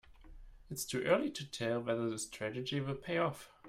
It's too early to tell whether the strategy will pay off.